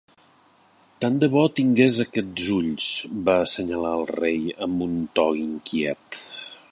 "Tant de bo tingués aquests ulls", va assenyalar el rei amb un to inquiet.